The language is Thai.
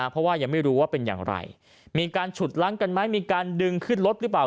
เพราะว่ายังไม่รู้ว่าเป็นอย่างไรมีการฉุดล้างกันไหมมีการดึงขึ้นรถหรือเปล่า